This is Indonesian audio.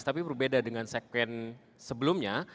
tapi berbeda dengan segmen sebelumnya